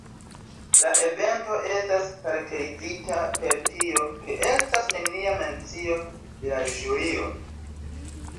La evento estas karakterizita per tio ke estas nenia mencio de la ĵurio.